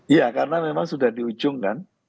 iya karena memang sudah di ujung kan